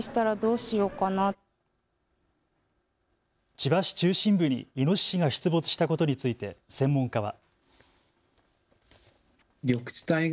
千葉市中心部にイノシシが出没したことについて専門家は。